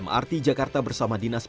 mrt jakarta bersama dinas